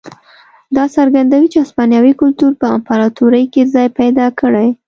دا څرګندوي چې هسپانوي کلتور په امپراتورۍ کې ځای پیدا کړی.